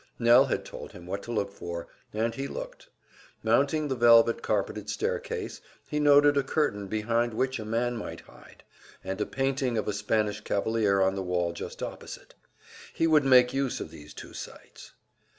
Nell had told him what to look for, and he looked. Mounting the velvet carpeted staircase, he noted a curtain behind which a man might hide, and a painting of a Spanish cavalier on the wall just opposite. He would make use of these two sights.